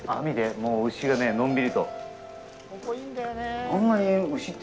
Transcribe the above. もう牛がね、のんびりと。